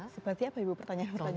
berarti apa ibu pertanyaan pertanyaannya